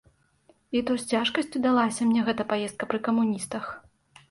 І то з цяжкасцю далася мне гэта паездка пры камуністах.